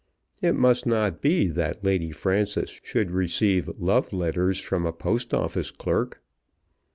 It must not be that Lady Frances should receive love letters from a Post Office clerk!